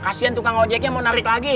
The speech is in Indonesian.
kasian tukang ojeknya mau narik lagi